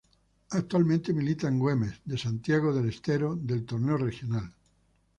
Actualmente milita en Güemes de Santiago del Estero del Torneo Regional.